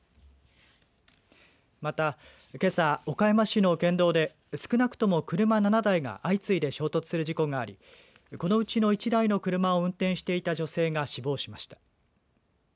また、けさ岡山市の県道で少なくとも車７台が相次いで衝突する事故がありこのうちの１台の車を運転していた女性が死亡しました。